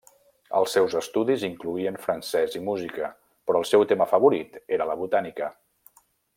Els seus estudis incloïen francès i música, però el seu tema favorit era la botànica.